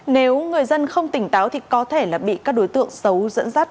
nếu người dân không tỉnh táo thì có thể là bị các đối tượng xấu dẫn dắt